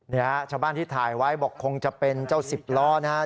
เนี่ยชาวบ้านที่ถ่ายไว้บอกคงจะเป็นเจ้าสิบล้อนะครับ